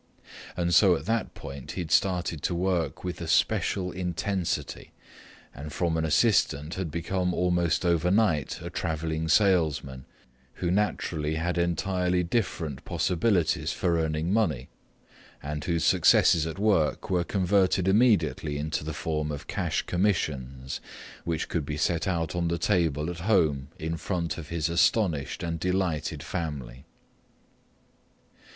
And so at that point he'd started to work with a special intensity and from an assistant had become, almost overnight, a travelling salesman, who naturally had entirely different possibilities for earning money and whose successes at work were converted immediately into the form of cash commissions, which could be set out on the table at home in front of his astonished and delighted family.